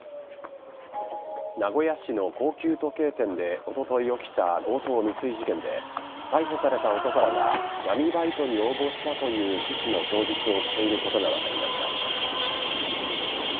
名古屋市の高級時計店でおととい起きた強盗未遂事件で逮捕された男らが、闇バイトに応募したという趣旨の供述をしていることが分かりました。